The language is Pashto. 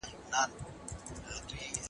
بشر غواړي واکمن قوانين کشف کړي.